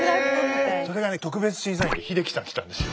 それがね特別審査員で秀樹さん来たんですよ。